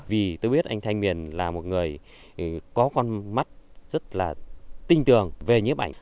vì tôi biết anh thanh miền là một người có con mắt rất là tinh tường về nhiếp ảnh